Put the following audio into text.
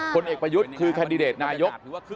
เอกประยุทธ์คือแคนดิเดตนายก